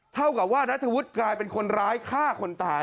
เท่ากับว่านัทธวุฒิกลายเป็นคนร้ายฆ่าคนตาย